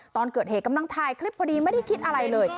ตอนเกิดเหตุกำลังถ่ายคลิปพอดีไม่ได้คิดอะไรเลย